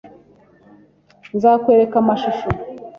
Nzakwereka amashusho.